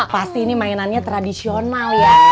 pasti ini mainannya tradisional ya